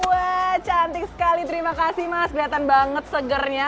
wah cantik sekali terima kasih mas kelihatan banget segernya